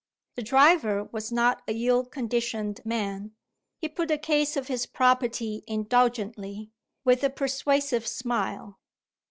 The driver was not a ill conditioned man; he put the case of his property indulgently, with a persuasive smile.